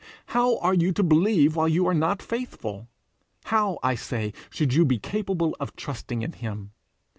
How are you to believe while you are not faithful? How, I say, should you be capable of trusting in him?